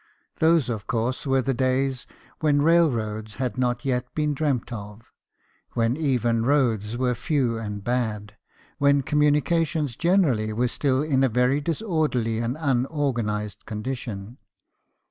Those, of course, were the days when railroads had not yet been dreamt of; when even roads were few and bad ; when communications generally were still in a very disorderly and unorganized con dition.